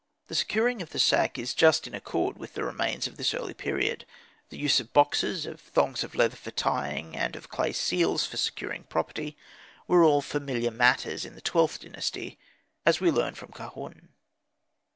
The securing of the sack is just in accord with the remains of this early period; the use of boxes, of thongs of leather for tying and of clay sealings for securing property, were all familiar matters in the XIIth Dynasty, as we learn from Kahun.